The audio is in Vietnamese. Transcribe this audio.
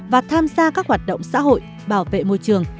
và tham gia các hoạt động xã hội bảo vệ môi trường